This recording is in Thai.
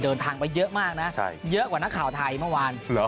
เดินทางไปเยอะมากนะเยอะกว่านักข่าวไทยเมื่อวาน